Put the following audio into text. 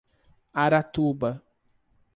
Aratuba